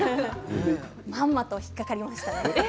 まんまと引っ掛かりましたね。